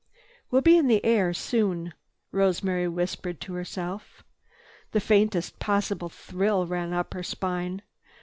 "We'll be in the air soon," Rosemary whispered to herself. The faintest possible thrill ran up her spine.